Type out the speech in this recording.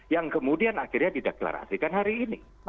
yang kemudian akhirnya dideklarasikan hari ini